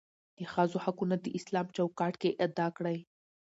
دښځو حقونه داسلام چوکاټ کې ادا کړى.